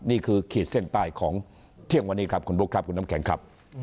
ขีดเส้นใต้ของเที่ยงวันนี้ครับคุณบุ๊คครับคุณน้ำแข็งครับ